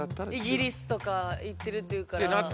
イギリスとか行ってるっていうから。